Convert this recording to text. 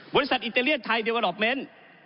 บริษัทอิตาเลียนไทยเดียวกับดอกเม้น